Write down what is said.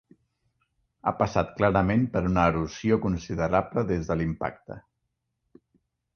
Ha passat clarament per una erosió considerable des de l'impacte.